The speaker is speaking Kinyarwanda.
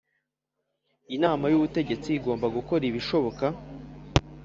Inama y ubutegetsi igomba gukora ibishoboka